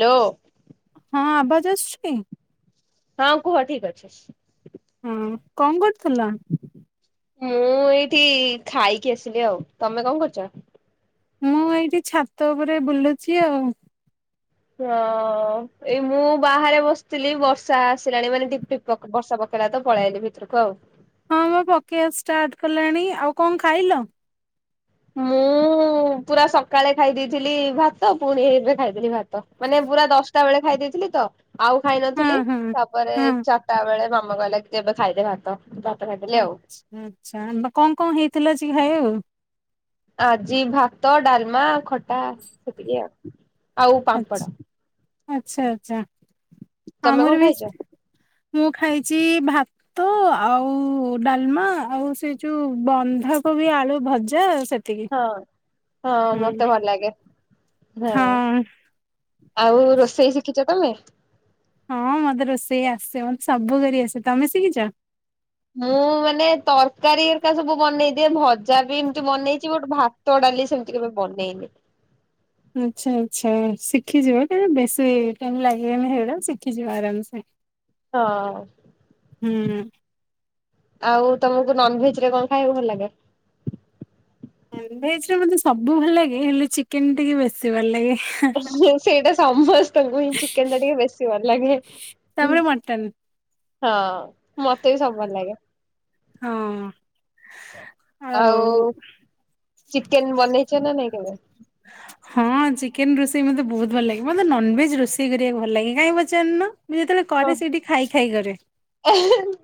Hello. ହଁ ଆବାଜ୍ ଆସୁଛି? ହଁ କୁହ ଠିକ୍ ଅଛି। ହଁ କଁ କରୁଥିଲ? ମୁଁ ଏଇଠି ଖାଇକି ଆସିଲି ଆଉ ତମେ କଣ କରୁଚ? ମୁଁ ଏଇଠି ଛାତ ଉପରେ ବୁଲୁଛି ଆଉ। ହଁ ଏଇ ମୁଁ ବାହାରେ ବସିଥିଲି ବର୍ଷା ଆସିଲାଣି ମାନେ କିପରି ଟିପ୍ [unintelligible] ବର୍ଷା ପକେଇଲା ତ ପଳେଇଆଇଲି ଭିତୁରୁକୁ ଆଉ। ହଁ ବା ପକେଇଆ ଷ୍ଟାର୍ଟ୍ କଲାଣି ଆଉ କଣ ଖାଇଲ? ମୁଁ ପୁରା ସକାଳେ ଖାଇ ଦେଇଥିଲି ଭାତ ପୁଣି ଏବେ ଖାଇଦେଲି ଭାତ। ତ ମାନେ ପୁରା ଦଶଟା ବେଳେ ଖାଇ ଦେଇଥିଲି ତ ଆଉ ଖାଇ ନଥିଲି ହଁ ହଁ [unintelligible] ପରେ ହଁ ଚାରିଟା ବେଳେ ମାମା କହିଲା କି ଏବେ ଖାଇଦେ ଭାତ। ଭାତ ଖାଇଦେଲି ଆଉ। ଆଚ୍ଛା ଆଚ୍ଛା ଆନ୍ଦା କଣ କଣ ହେଇଥିଲା ଆଜି ଖାଇବାକୁ? ଆଜି ଭାତ ଡାଲମା ଖଟା ସେତିକି ଆଉ ଆଉ ଆଚ୍ଛା ପାମ୍ପଡ଼। ଆଚ୍ଛା ଆଚ୍ଛା ତମେ କଣ ଆମର ବି ଖାଇଛ? ସ୍ ମୁଁ ଖାଇଛି ଭା ତ ଆଉ ଡାଲମା ଆଉ ସେ ଯୋଉ ବନ୍ଧାକୋବି ଆଳୁ ଭଜା ସେତିକି ହଁ ହଁ ହୁଁ ମତେ ଭଲ ଲାଗେ। ହଁ ଆଉ ରୋଷେଇ ଶିଖିଛ ତମେ? ହଁ ମତେ ରୋଷେଇ ଆସେ ମତେ ସବୁ କରି ଆସେ, ତମେ ଶିଖିଛ? ମୁଁ ମାନେ ତରକାରୀ ଏକା ସବୁ ବନେଇଦିଏ ଭଜା ବି ଏମିତି ବନେଇଛି, ବଟ୍ ଭା ଭାତ ଡାଲି ସେମିତି କେବେ ବନେଇନି। ଆଚ୍ଛା ଆଚ୍ଛା ଶିଖିଯିବ କଇଁନା ବେଶୀ ଟାଇମ୍ ଲାଗିବନି ହେଉଡ଼ା ଶିଖିଯିବ ଆରାମସେ। ହଁ। ହୁଁ। ଆଉ ତମକୁ ନନ୍ଭେଜ୍ ରେ କଣ ଖାଇବାକୁ ଭଲ ଲାଗେ? ନନ୍ଭେଜରେ ମତେ ସବୁ ଭଲ ଲାଗେ ହେଲେ ଚିକେନ ଟିକେ ବେଶୀ ଭଲ ଲାଗେ। ସେଇଟା ସମ ତମକୁ ହିଁ ଚିକେନ୍ ଟା ଟିକେ ବେଶୀ ଭଲ ଲାଗେ, ତାପରେ ମଟନ। ହଁ। ମତେ ବି ସବୁ ଭଲ ଲାଗେ। ହଁ। ଆଉ ଚିକେନ୍ ବନେଇଚ ନା ନାଇଁ କେବେ? ହଁ ଚିକେନ୍ ରୋଷେଇ ମତେ ବହୁତ ଭଲ ଲାଗେ ମତେ ନନଭେଜ୍ ରୋଷେଇ କରିବାକୁ ଭଲ ଲାଗେ କାହିଁ ପଚାରୁନ। ମୁଁ ଯେତେବେଳେ କରେ ସେଇଠି ଖାଇ ଖାଇ କରେ।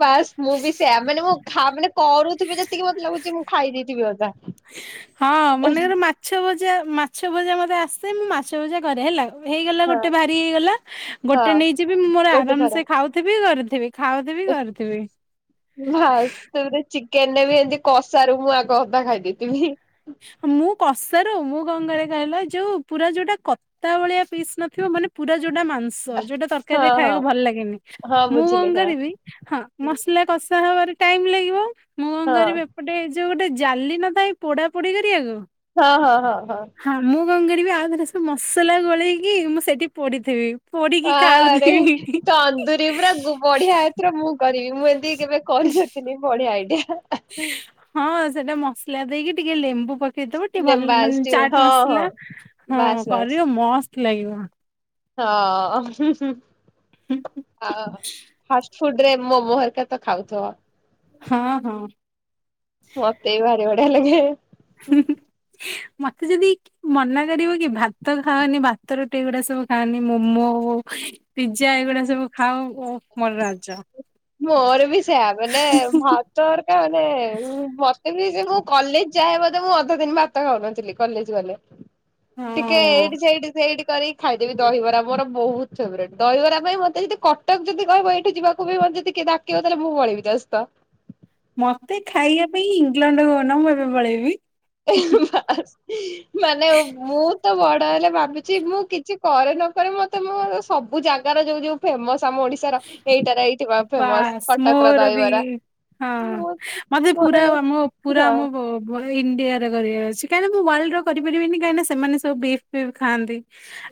ବାସ୍ ମୁଁ ବି ସେଇୟା ମାନେ ମୁଁ ଖା ମାନେ କରୁଥିବି ଯେତିକି ମୋତେ ଲାଗୁଛି ମୁଁ ଖାଇ ଦେଇଥିବି ଅଧା। ହଁ ମନେକର ମାଛ ଭଜା ମାଛ ଭଜା ମତେ ଆସେ ମୁଁ ମାଛ ଭଜା କରେ ହେଲା। ହେଇଗଲା ହଁ ଗୋଟେ ଭାରି ହେଇଗଲା ହଁ ଗୋଟେ ନେଇଯିବି ମୁଁ ମୋର ଗୋଟେ ଆରାମ୍ ଥର। ସେ ଖାଉଥିବି କରୁଥିବି। ଖାଉଥିବି କରୁଥିବି। ବାସ୍ ତାପରେ ଚିକେନରେ ବି ଏମିତି କଷାରୁ ମୁଁ ଆଗ ଅଧା ଖାଇଦେଇଥିବି। ମୁଁ କଷାରୁ ମୁଁ କଣକରେ କହିଲ ଯୋଉ ପୁରା ଯୋଉଟା କ ତା ଭଳିଆ ପିସ୍ ନଥିବ ମାନେ ପୁରା ଯୋଟା ମାଂ ସ ଯୋଉଟା ହଁ ତରକାରୀରେ ହଁ ଖାଇବାକୁ ଭଲ ଲାଗେନି ହଁ ମୁଁ କଣ ବୁଝିଲି ହଁ କରିବି ହଁ ମସଲା କଷା ହବାରେ ଟାଇମ୍ ଲାଗିବ ମୁଁ କଣ ହଁ କରିବି ଏ ଗୋଟେ ଯୋଉ ଗୋଟେ ଜାଲି ନ ଥାଏ ପୋଡା ପୋଡି କରିବାକୁ। ହଁ, ହଁ, ହଁ, ହଁ। ହଁ ମୁଁ କଣ କରିବି ଆଉ ଥରେ ସବୁ ମସଲା ଗୋଳେଇକି ମୁଁ ସେଠି ପୋଡିଥିବି। ପୋଡିକି ଆରେ ଖାଉଥିବି। ତନ୍ଦୁରୀ ପୁରା ଗୁ ବଢିଆ ଏଥର ମୁଁ କରିବି ମୁଁ ଏମିତି କେବେ କରିନଥିଲି ବଢିଆ ଆଇଡିଆ। ହଁ ସେଟା ମସଲା ଦେଇକି ଟିକେ ଲେମ୍ବୁ ପକେ କେଇ ଦବ ଟିକେ ଭଲ ଲେମ୍ବା ମାନେ ଆସିଥିବ ଚାଟ୍ ହଁ ମସଲା ହଁ ହଁ ବାସ୍ ବାସ୍ କରିବ ମସ୍ତ୍ ଲାଗିବ। ହଁ ହୁଁ ହୁଁ ଆଉ ଫାଷ୍ଟ ଫୁଡ୍ ରେ ମୋମୋ ହେରିକା ତ ଖାଉଥିବ। ହଁ, ହଁ। ମତେ ବି ଭାରି ବଢିଆ ଲାଗେ। ମତେ ଯଦି ମନା କରିବ କି ଭାତ ଖାଅନି ଭାତ ରୁଟି ଏଗୁଡା ସବୁ ଖାଅନି ମୋମୋ ପିଜା ଏଇଗୁଡା ସବୁ ଖାଅ ଓ ମୋର ରାଜ ମୋର ବି ସେୟା ମାନେ ଭା ତଡ଼କା ମାନେ ମତେ ବି ଯେ ମୁଁ କଲେଜ ଯାଏ ବୋଧେ ମୁଁ ଅଧ ଦିନ ଭା ଭାତ ଖାଉନଥିଲି କଲେଜ୍ ଗଲେ ଟିକେ ହଁ। ଏଇଠି ସେଠି ସେଇଠି କରି ଖାଇଦେବି ଦହିବରା ମୋର ବହୁତ ଫେବରଟ୍ ଦହିବରା ପାଇଁ ମତେ ଯଦି କଟକ ଯଦି କହିବ ଏଇଠି ଯିବାକୁ ବି ମେ ଯଦି କିଏ ଡାକିବ ତାହାଲେ ମୁଁ ପଳେଇବି ତା ସହିତ। ମତେ ଖାଇବା ପାଇଁ ଇଂଲଣ୍ଡ କହୁନ ମୁଁ ଏବେ ପଳେଇବି। [unintelligible] ମାନେ ମୁଁ ତ ବଡ ହେଲେ ଭାବୁଛି ମୁଁ କିଛି କରେ ନ କରେ ମତେ ମୋର ସବୁ ଜାଗାର ଯୋଉ ଯୋଉ ଫେମସ୍ ଆମ ଓଡିଶା ର ଏଇଟାରେ ଏଇଥିବା ଫେମସ୍ ବାସ୍ କଟକର ମୋର ବି ଦହିବରା। ହଁ ମୁଁ ମତେ ପୁରା ମୋର ଆମ ପୁରା ହଁ ଆମ ମୋର ଇଣ୍ଡିଆରେ କରିବା ଅଛି କାହିଁକି ନା ମୁଁ ୱାଲ୍ଡ ର କରିପାରିବିନି କାହିଁକିନା ସେମାନେ ସବୁ ବିଫ ଫିପ ଖାଆନ୍ତି।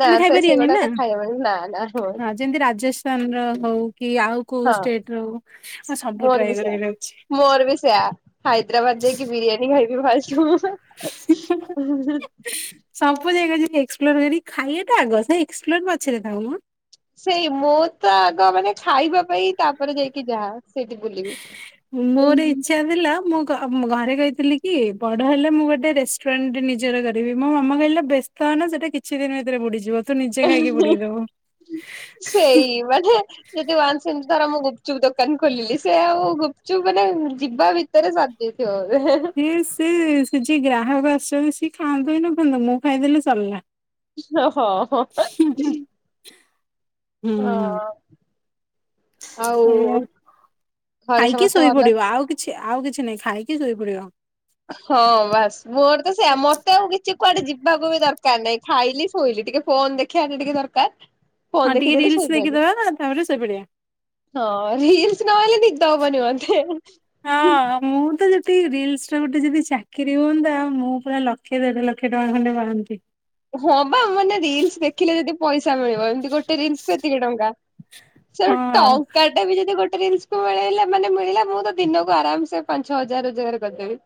ନା ଆମେ ଖାଇପାରିବାନି ନା ସେଗୁଡ଼ାକ ଖାାଇବା ପାଈଁ ନାଁ ନାଁ। ହଁ ଯେମିତି ରାଜସ୍ଥାନ ର ହଉ କି ଆଉ କୋଉ ହଁ ଷ୍ଟେଟ ର ହଉ ସବୁ ମୋର ବି ଟ୍ରାଏ ସେୟା କରିବାର ଅଛି। ମୋର ବି ସେୟା ହାଇଦ୍ରାବାଦ ଯାଇକି ବିରିୟାନୀ ଖାଇବି ଫାର୍ଷ୍ଟ ମୁଁ। [unintelligible] ସବୁ ଜାଗା ଯମି ଏକ୍ସପ୍ଲୋର କରି ଖାଇବାଟା ଆଗ ସେ ଏକ୍ସପ୍ଲୋର ପଛରେ ଥାଉ ମୋ। ସେଇ ମୁଁ ତ ଆଗ ମାନେ ଖାଇବା ପାଇଁ ତାପରେ ଯାଇକି ଯାହା। ସେଇଠି ବୁଲିବି। ମୋର ଇଚ୍ଛା ଥିଲା ମୁଁ ଘରେ କହିଥିଲି କି ବଡ ହେଲେ ମୁଁ ଗୋଟେ ରେଷ୍ଟୁରାଣ୍ଟଟେ ନିଜର କରିବି ମୋ ମାମା କହିଲେ ବେଷ୍ଟ ବ୍ଯସ୍ତ ହେନା ସେଟା କିଛି ଦିନ ଭିତରେ ବୁଡିଯିବ ତୁ ନିଜେ ଖାଇକି ବୁଡେଇ ଦବୁ। ଏ ମାନେ ଯଦି ୱାନସ୍ ସେମିତି ଧର ମୁଁ ଗୁପୁଚୁପୁ ଦୋକାନ ଖୋଲିଲି ସେ ଆଉ ଗୁପଚୁପ ମାନେ ଯିବା ଭି ତରେ ସରି ଯାଇଥିବ ବୋଧେ ହେଁ ହେଁ। ସିଏ ସେ ସେ ଯିଏ ଗ୍ରାହକ ଆସିଛନ୍ତି ସିଏ ଖାଆନ୍ତୁ କିି ନ ଖାଆନ୍ତୁ ମୁଁ ଖାଇଦେଲେ ସରିଲା। ହଁ ହଁ ହଁ। ହୁଁ। ଆଉ ସେଇଆା ଘରେ ଖାଇକି ସମସ୍ତେ ଭଲ ଶୋଇପଡିବ ଆଉ କିଛି ଆଉ କିଛି ନାହିଁ ଖାଇକି ଶୋଇପଡିବ। ହଁ ବାସ ମୋର ତ ସେଇଆ ମତେ ଆଉ କିଛି କି କୁଆଡେ ଯିବାକୁ ବି ଦରକାର ନାଇଁ ଖାଇଲି ଶୋଇଲି ଟିକେ ଫୋନ ଦେଖିବା ଟିକେ ଦରକାର। ଫୋନ ହଁ ଟିକେ ଦେଖିଦେଲି ରିଲସ ଶୋଇପଇଲି ଦେଖିଦବା ତାପରେ ଶୋଇପଡ଼ିବା। ହଁ ରିଲସ ନହେଲେ ନିଦ ହବ ନି ମୋତେ। ଦି ରିଲସ ରେ ଗୋଟେ ଯଦି ଚାକିରି ହୁଅନ୍ତା ମୁଁ ପୁରା ଲକ୍ଷେ ଦେଢ ଲକ୍ଷ ଟଙ୍କା ଖଣ୍ଡେ ପାଆନ୍ତି। ହଁ ବା ମାନେ ରିଲସ ଦେଖିଲେ ଯଦି ପଇସା ମିଳିବ ଏମିତି ଗୋଟେ ରିଲସ କୁ ଏତିକି ଟଙ୍କା। ସେ ହଁ ଟଙ୍କା ସେଟା ବି ଯଦି ଗୋଟେ ରିଲସ୍ କୁ ମିଳଲା ମାନେ ମିଳିଲା ମୁଁ ତ ଦିନକୁ ଆରାମ ସେ ପାଞ୍ଚ ଛ ହଜାର ରୋଜଗାର କରିଦେବି।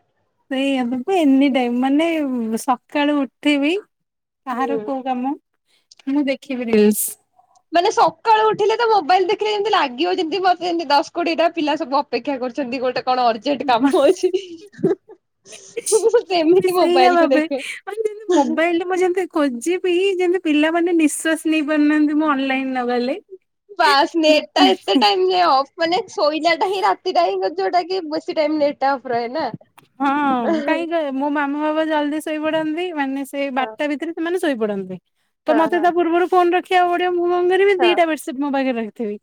ସେଇଆ ମୁଁ ତ ଏନି ଟାଇମ ମାନେ ସକାଳୁ ଉଠିବି କାହାର ହୁଁ। କୋଉ କାମ ମୁଁ ଦେଖିବି ରିଲସ୍। ମାନେ ସକାଳୁ ଉଠିଲେ ତ ମୋବାଇଲ ଦେଖିଲେ ଯେମିତି ଲାଗିବ ଯେମିତି ମତେ ଯେମିତି ଦଶ କୋଡି ଟା ପିଲା ସବୁ ଅପେକ୍ଷା କରୁଛନ୍ତି ଗୋଟେ କଣ ଅର୍ଜେଣ୍ଟ କାମ ବସ୍ ଅଛି। ମୁଁ ବି ସେମିତି ସେଇଆ ମୋବାଇଲ କୁ ଭାବେ ଦେଖେ। ମାନେ ମୋବାଇଲ ମୁଁ ଯେମିତି ଖୋଜିବି ଯେମିତି ପିଲାମାନେ ନିଶ୍ଵାସ ନେଇ ପାରୁନାହାନ୍ତି ମୁଁ ଅନଲାଇନ ନଗଲେ। ବାସ୍ ନେଟତା ଏତେ ମୁଁ ଟାଇମ ଅଫ ମାନେ ଶୋଇଲା ଟା ହିଁ ରାତିଟା ହିଁ ଯୋଉଟା କି ବେଶି ଟାଇମ ନେ ଡାଟା ଅଫ ରହେନା ହଁ ଏହେ କାହିଁକି କହ ମୋ ମାମା ବାଵା ଜଲଦି ଶୋଇ ପଡନ୍ତି ମାନେ ସେଇ ହଁ ବାରଟା ଭିତରେ ସେମାନେ ଶୋଇପଡନ୍ତି। ତ ମତେ ହଁ ତା ପୂର୍ବରୁ ଫୋନ ରଖିବାକୁ ପଡିବ ମୁଁ କଣ କରିବି ହଁ ଦିଟା ବେଡସିଟ୍ ମୋ ପାଖରେ ରଖିଥିବି।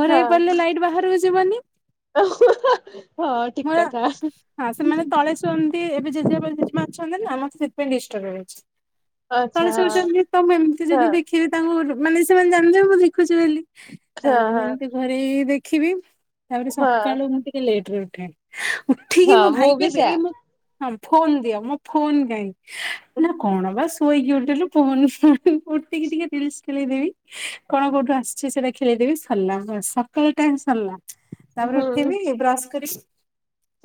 ଘରେଇ ହଁ। ପରିଲେ ଲାଇଟ୍ ବାହାରକୁ ଯିବନି। [unintelligible] ଠିକ କଥା। [unintelligible] ହଁ ସେମାନେ ତଳେ ଅଛନ୍ତି ଏବେ ଜେଜେବାପା ଜେଜେମା ଅଛନ୍ତି ନା ମତେ ସେଥିପାଇଁ ଡିଷ୍ଟର୍ବ ହେଇ ଯାଉଛି। ଆଚ୍ଛା ତଳେ ଶଉଛନ୍ତି ତ ଏମତି ହଁ ଯଦି ଦେଖି ହଁ ହଁ [unintelligible] ଘରେ ଦେଖିବି, ତାପରେ ହଁ। ସକାଳୁ ମୁଁ ଟିକେ ଲେଟରେ ଉଠେ। ଉଠିକି ହଁ ମୋ ମୁଁ ଭାଇ ବି କହିବେ, ସେୟା। ଏ ମୁଁ ହଁ ଫୋନ ଦିଅ ମୋ ଫୋନ ଦେ। [unintelligible] କଣ ବା ସ ଶୋଇକି ଉଠିଲୁ ଫୋନ ଉଠିକି ଟିକେ ରିଲସ ଖେଳେଇଦେବି। କଣ କୋଉଠୁ ଆସିଛି ସେଇଟା ଖେଳେଇଦେବି ସରିଲା, ସକାଳ ଟାସ୍କ ସରିଲା। ତାପରେ ହୁଁ। ଉଠିବି ବ୍ରଶ କରିବି,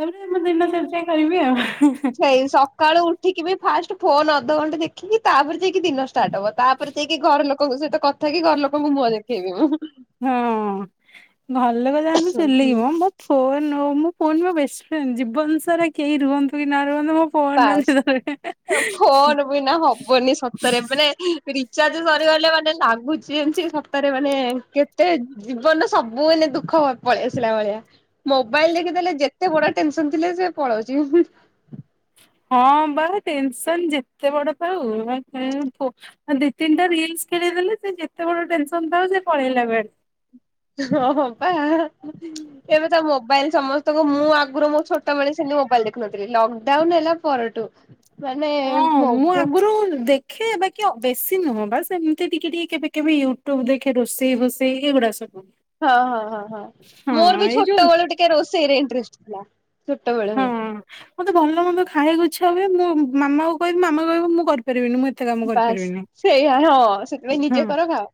ତାପରେ ମୁଁ ଦିନ ଚର୍ଯା କରିବି ଆଉ। ଏଇ ସକାଳୁ ଉଠିକି ବି ଫାଷ୍ଟ ଫୋନ ଅଧଘଣ୍ଟା ଦେଖିବି, ତାପରେ ଯାଇକି ଦିନ ଷ୍ଟାର୍ଟ ହବ। ତାପରେ ଯାଇକି ଘର ଲୋକଙ୍କ ସହିତ କଥାକି ଘର ଲୋକଙ୍କୁ ମୁହଁ ଦେଖେଇବି ମୁଁ। ହଁ ଘର ଲୋକ ଯାଆନ୍ତୁ ଚୁଲିକି ମ। [unintelligible] ମୋ ଫୋନ ମୋ ବେଷ୍ଟ ଫ୍ରେଣ୍ଡ, ଜୀବନ ସାରା କେହି ରୁହନ୍ତୁ କି ନ ରୁହନ୍ତୁ ମୋ ବାସ୍। ଫୋନ [unintelligible] ଫୋନ ବିନା ହବନି ସତରେ ମାନେ ରିଚାର୍ଜ ସରିଗଲେ ମାନେ ଲାଗୁଛି ଏମତି ସତରେ ମାନେ କେ ଟେ ଜୀବନରେ ସବୁ ମାନେ ଦୁଃଖ ପଳେଇ ଆସିଲା ଭଳିଆ। ମୋବାଇଲ ଦେଖିଦେଲେ ଯେତେ ବଡ ଟେନସନ ଥିଲେ ସେ ପଳଉଛି। ହଁ ବା ଟେନସନ ଯେତେ ବଡ ଥାଉ, [unintelligible] ଦି ତିନିଟା ରିଲସ ଖେଳିଦେଲେ ସେ ଯେତେ ବଡ ଟେନସନ ଥାଉ ସେ ପଳେଇଲା କୁଆଡେ। ହଁ ହଁ ପା। ଏବେ ତ ମୋବାଇଲ ସମସ୍ତଙ୍କୁ ମୁଁ ଆଗରୁ ମୋ ଛୋଟବେଳେ ଥିଲି ମୋବାଇଲ ଦେଖୁନଥିଲି। ଲକଡାଉନ ହେଲା ପରଠୁ ମାନେ ହଁ ମୋ ମୁଁ ହଁ ଆଗରୁ ଦେ ଦେଖେ ବାକି ବେଶୀ ନୁହଁ ବାସ୍ ଏମତି ଟିକେ ଟିକେ କେବେ କେବେ ୟୁଟ୍ୟୁବ ଦେଖେ ରୋଷେଇ ଫୋଷେଇ ଏଇଗୁଡା ସବୁ। ହଁ ହଁ ହଁ ହଁ ହଁ ମୋର ବି ଏଇ ଯୋଉ ଛୋଟବେଳୁ ଟିକେ ରୋଷେଇ ରେ ଇଣ୍ଟଷ୍ଟ ଥିଲା। ଛୋଟବେଳୁ ହିଁ। ହଁ ମତେ ଭଲମନ୍ଦ ଖାଇବାକୁୁ ଇଚ୍ଛା ହୁଏ। ମୁଁ ମାମାକୁ କହିବି ମାମା କହିବ ମୁଁ କରିପାରିବିନି। ମୁଁ ଏତେ କାମ ବାସ୍ କରିପାରିବିନି। ସେଇଆ [unintelligible] ହଁ, ସେଥିପାଇଁ ହଁ ନିଜେ କର ଖାଅ।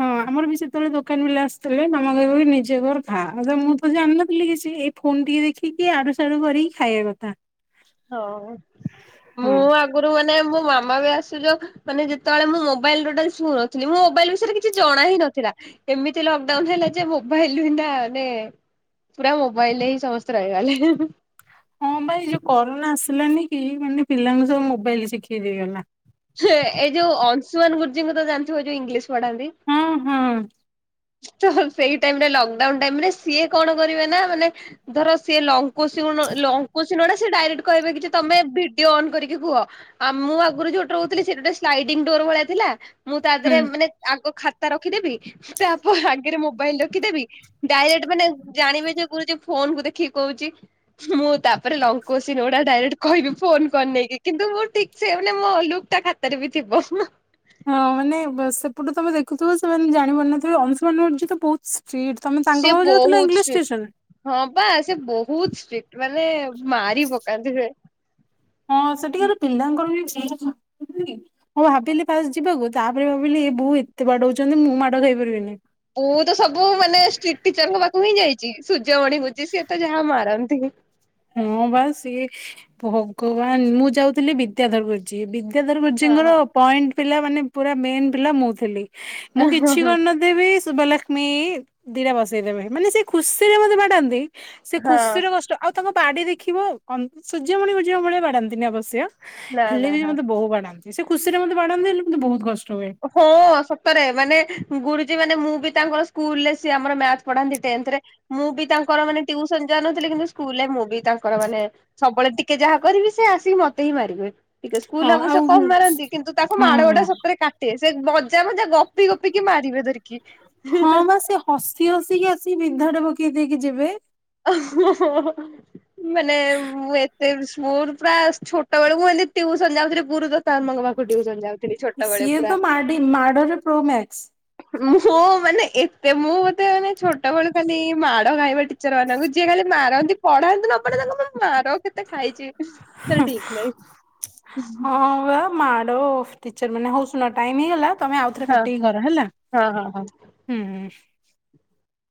ହଁ ଆମର ବି ସେତେବେଳେ ଦୋକାନ ପିଲା ଆସୁଥିଲେ। ମାମା କହିବକି ନିଜେ କର ଖା। ମୁଁ ତ ଜାଣିିନଥିଲି କିଛି, ଏ ଫୋନ୍ ଟିକେ ଦେଖିକି, ଆଡୁ ସାଡୁ କରିକି ଖାଇବା କଥା। ହଁ, ମୁଁ ହୁଁ ଆ ଆଗରୁ ମାନେ ମୋ ମାମା ବି [unintelligible] ମାନେ ଯେତେବେଳେ ମୁଁ ମୋବାଇଲା ଟୋଟାଲ ଛୁନଥିଲି। ମୁଁ ମୋବାଇଲ ବିଷୟରେ କି କିଛି ଜଣା ହଁ ନଥିଲା। ଏମିତି ଲକଡାଉନ ହେଲା ଯେ ମୋବାଇଲରୁ ଏଇନା ମାନେ ପୁରା ମୋବାଇଲରେ ହିଁ ସମସ୍ତେ ରହିଗଲେ। ହଁ ପା ଏଇ ଯୋଉ କରୋନା ଆସିଲାନି କି? ମାନେ ପିଲାଙ୍କୁ ସବୁ ମୋବାଇଲ ଶିଖେଇ ଦେଇଗଲା। ଛେ ଏଇ ଯୋଉ [unintelligible] ଗୁରୁଜୀଙ୍କୁ ତ ଜାଣିଥିବ, ଯୋଉ ଇଂଲିଶ ପଢାନ୍ତି? ହଁ ହଁ ତ ସେଇ ଟାଇମରେ ଲକଡାଉନ ଟାଇମରେ ସିଏ କଣ କରିବେ ନା ମାନେ ଧର ସିଏ ଲଙ୍କୁଶି ଉଣ ଲଙ୍କୁଶି [unintelligible] ସେ ଡାଇରେକ୍ଟ କହିବେ କି ଯେ ତମେ ଭିଡିଓ ଅନ୍ କରିକି କୁହ। ଆଉ ମୁଁ ଆଗରୁ ଯୋଉଟି ରହୁଥିଲି ସେଠି ଗୋଟେ ସ୍ଲାଇଡିଙ୍ଗ ଡୋର ଭଳିଆ ଥିଲା। ମୁଁ ତା ହୁଁ। ଦେହରେ ମାନେ ଆଗ ଖାତା ରଖିଦେବି, ତାପ ଆଗରେ ମୋବାଇଲ ରଖିଦେବି। ଡାଇରେକ୍ଟ ମାନେ ଜାଣିବେ ଯେ ଗୁରୁଜୀ ଫୋନ କୁ ଦେଖିକି କହୁଛି। ମୁଁ ତାପରେ ଲଙ୍ଗ କ୍ୱେଶ୍ଚିନ ଗୁଡା ଡାଇରେକ୍ଟ କହିବି ଫୋନକୁ ଆନେଇକି କିନ୍ତୁ ମୁଁ ଠିକ ସେ ମାନେ ମୋ ଲୁ ତା ଖାତାରେ ବି ଥିବ। ହଁ ମାନେ ବ-ସେପଟୁ ତୋମେ ଦେଖୁଥିବ ସେମାନେ ଜାଣିପାରୁନଥିବେ। ଅଂଶୁମାନ ଗୁରୁଜୀ ତ ବହୁତ ଷ୍ଟ୍ରିଟ୍। ତୋମେ ସେ ତାଙ୍କ ପାଖକୁ ଯାଉଥିଲ ବହୁତ ଇଂଲିଶ ଷ୍ଟ୍ରିକ୍ଟ ଟ୍ୟୁସନ୍? ହଁ ପା ସିଏ ବହୁତ ଷ୍ଟ୍ରିକ୍ଟ୍। ମାନେ ମାରି ପକାନ୍ତି ସେ। ହଁ ସେଠିକାର ପିଲାଙ୍କର ବି [inaudible] ମୁଁ ଭାବିଲି ଫାଷ୍ଟ ଯିବାକୁ, ତାପରେ ଭାବିଲି ଏ ବୋଉ ଏତେ ବାଡଉଛନ୍ତି ମୁଁ ମାଡ ଖାଇପାରିବିନି। ମୁଁ ତ ସବୁ ମାନେ ଷ୍ଟ୍ରିଟ୍ ଟିଚର୍ ଙ୍କ ପାଖକୁ ହିଁ ଯାଇଚି। ସୂର୍ଯ୍ୟମଣି ଗୁରୁଜୀ ସିଏ ତ ଯାହା ମାରନ୍ତି। ହଁ ବା ସିଏ ଭଗବାନ ମୁଁ ଯାଉଥିଲି ବିଦ୍ୟାଧର ଗୁର ଜୀ ବିଦ୍ୟାଧର ହଁ ଗୁରୁଜୀଙ୍କର ହଁ ପଏଣ୍ଟ ପିଲା ମାନେ ପୁରା ମେନ୍ ପିଲା ମୁଁ ଥିଲି। ମୁଁ ହଁ କିଛି ହଁ କରି ନ ଥିବି ଶୁଭଲକ୍ଷ୍ମୀ ଦିଟା ବସେଇ ଦେବେ। ମାନେ ସେ ଖୁସିରେ ମୋତେ ବାଡାନ୍ତି। ସେ ହଁ ଖୁସିର କଷ୍ଟ, ଆଉ ତାଙ୍କ ବାଡି ଦେଖିବ କନ୍ ସୂର୍ଯ୍ୟମଣି ଗୁରୁଜୀ ଙ୍କ ଭଳିଆ ବଡାନ୍ତିନି ଅବଶ୍ୟ। ନା ହେଲେ ନା ବି ସେ ହଁ। ମୋତେ ବହୁ ବାଡାନ୍ତି। ସେ ଖୁସିରେ ମୋତେ ବାଡାନ୍ତି ହେଲେ ମୋତେ ବହୁତ କଷ୍ଟ ହୁଏ। ହଁ ସତରେ ମାନେ ଗୁରୁଜୀ ମାନେ ମୁଁ ବି ତାଙ୍କର ସ୍କୁଲ୍ ରେ ସିଏ ଆମର ମ୍ୟାଥ୍ ପଢାନ୍ତି ଟେନ୍ଥରେ। ମୁଁ ବି ତାଙ୍କର ମାନେ ଟିଉସନ୍ ଯାଉ ନଥିଲି, କିନ୍ତୁ ସ୍କୁଲ୍ ରେ ମୁଁ ବି ତାଙ୍କର ମାନେ ସବୁବେଳେ ଟିକେ ଯାହା କରିବି ସେ ଆସିକି ମୋତେ ହିଁ ମାରିବେ। ଟିକେ ସ୍କୁଲ୍ ହଁ ରେ ଆବଶ୍ୟ ଆଉ କମ ମାରନ୍ତି କିନ୍ତୁ ତାକୁ ମାଡ ଗୁଡା ହଁ ସତରେ କାଟେ। ସେ ମଜା ମଜା ଗପି ଗପି କିି ମାରିବେ ଧରିକି। ହଁ ବା ସେ ହସି ହସି ଆସିକି ବିଧାଟେ ପକେଇ ଦେଇକି ଯିବେ। ଅ, ହଁ, ହଁ, ହଁ ମାନେ ମୁଁ ଏ ସେ ସ୍କୁଲ୍ ପୁରା ଛୋଟ ବେଳକୁ ଏମତି ଟିଉସନ୍ ଯାଉଥିଲି ଗୁରୁ ତ ତାମଙ୍କ ପାଖକୁ ଟିଉସନ୍ ଯାଉ ସିଏ ତ ମାଡି ମାଡ଼ରେ ପ୍ରୋ ମ୍ୟାକ୍ସ୍। ମୁଁ ମାନେ ଏତେ ମୁଁ ମୋତେ ମାନେ ଛୋଟ ବେଳୁ ଖାଲି ମାଡ ଖାଇବା ଟିକ ଟିଚର୍ ମାନଙ୍କୁ ଯିଏ ଖାଲି ମାରନ୍ତି ପଢାନ୍ତି ନ ପଢେ ତାଙ୍କ ପାଖ ମାର କେତେ ଖାଇଛି। ତାର ଠିକ୍ ନାଇ। ହଁ ବା ମାଡ ଓଃ ଟିଚର୍ ମାନେ, ହଉ ଶୁଣ ଟାଇମ୍ ହେଇଗଲା ତୋମେ ଆଉଥରେ ହଁ କାଟିକି କର ହେଲା। ହଁ ହଁ ହଁ। ହୁଁ, ହୁଁ।